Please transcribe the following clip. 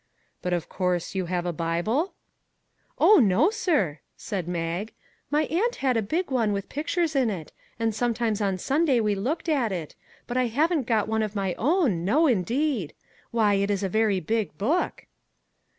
" But of course you have a Bible? " "Oh, no, sir," said Mag; "my aunt had a big one with pictures in it; and sometimes on Sunday we looked at it; but I haven't got one of my own ; no, indeed ! Why, it is a very big book."